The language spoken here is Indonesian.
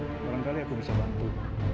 kurang kali aku bisa bantu